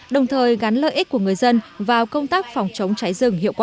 đồng thời gắn lợi ích của người dân vào công tác phòng chống cháy rừng hiệu quả